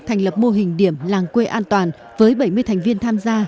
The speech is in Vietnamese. thành lập mô hình điểm làng quê an toàn với bảy mươi thành viên tham gia